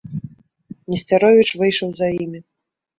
Несцяровіч выйшаў за імі.